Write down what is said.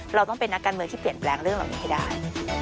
เราต้องเป็นนักการเมืองที่เปลี่ยนแปลงเรื่องเหล่านี้ให้ได้